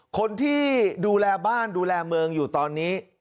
คนที่ดูแลบ้านดูแลเมืองอยู่ตอนนี้